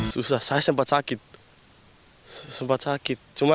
susah saya sempat sakit sempat sakit cuma